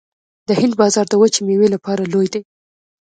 د هند بازار د وچې میوې لپاره لوی دی